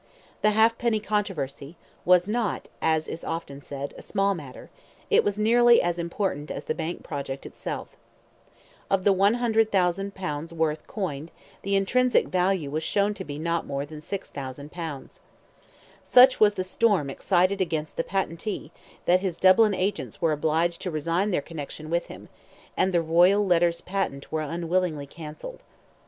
The halfpenny controversy, was not, as is often said, a small matter; it was nearly as important as the bank project itself. Of the 100,000 pounds worth coined, the intrinsic value was shown to be not more than 6,000 pounds. Such was the storm excited against the patentee, that his Dublin agents were obliged to resign their connection with him, and the royal letters patent were unwillingly cancelled.